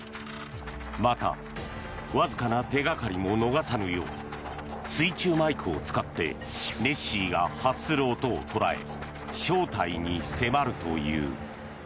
また、わずかな手掛かりも逃さぬよう水中マイクを使ってネッシーが発する音を捉え正体に迫るという。